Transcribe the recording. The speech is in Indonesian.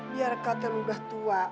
biar katil lu udah tua